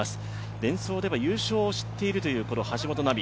デンソーでは優勝しているという橋本奈海。